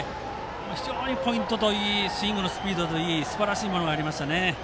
非常にポイントといいスイングのスピードといいすばらしいものがありました。